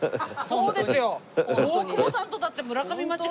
そうですよ。